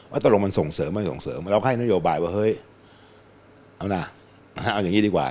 ตกลงมันส่งเสริมไม่ส่งเสริมเราให้นโยบายว่าเฮ้ยเอานะเอาอย่างนี้ดีกว่า